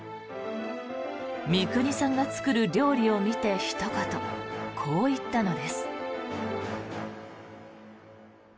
三國さんが作る料理を見てひと言、こう言ったのです。